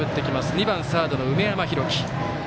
２番、サードの梅山浩輝。